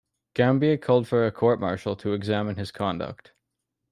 Gambier called for a court martial to examine his conduct.